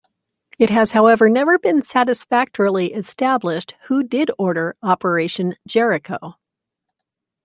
It has however never been satisfactorily established who did order Operation Jericho.